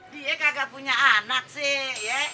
dia kagak punya anak sih